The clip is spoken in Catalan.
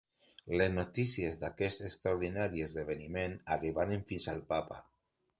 Les notícies d'aquest extraordinari esdeveniment arribaren fins al Papa.